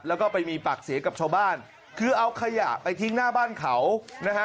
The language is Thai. แล้วก็ไปมีปากเสียกับชาวบ้านคือเอาขยะไปทิ้งหน้าบ้านเขานะฮะ